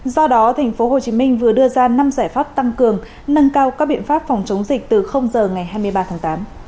do đó tp hcm vừa đưa ra năm giải pháp tăng cường nâng cao các biện pháp phòng chống dịch từ giờ ngày hai mươi ba tháng tám